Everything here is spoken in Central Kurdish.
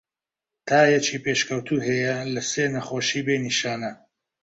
تایەکی پێشکەوتوو هەیە لە سێ نەخۆشی بێ نیشانە.